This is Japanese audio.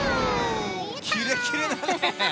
キレキレだね。